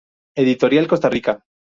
Editorial Costa Rica.